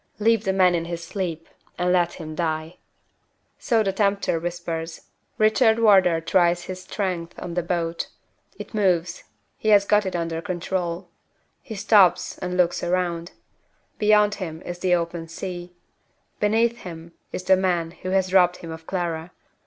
Leave the man in his sleep, and let him die! So the tempter whispers. Richard Wardour tries his strength on the boat. It moves: he has got it under control. He stops, and looks round. Beyond him is the open sea. Beneath him is the man who has robbed him of Clara.